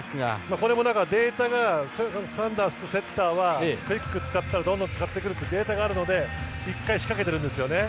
これもだからデータがサンダーズというセッターはクイックを使ったらどんどん使ってくるというデータがあるので１回、仕掛けてるんですね。